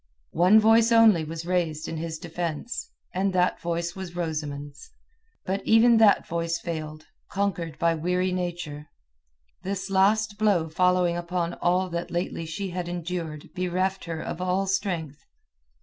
One voice only was raised in his defence, and that voice was Rosamund's. But even that voice failed, conquered by weary nature. This last blow following upon all that lately she had endured bereft her of all strength.